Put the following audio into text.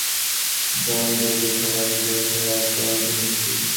ধনী-দরিদ্র সবারই ভিতরে সেই এক অনন্ত শক্তি।